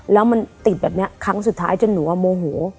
แล้วมันติดแบบนี้ครั้งสุดท้ายจนหนูโมโห